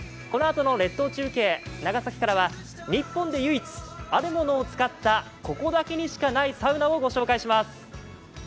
このあとの列島中継、長崎からは日本で唯一あるものを使ったここだけにしかないサウナをご紹介します。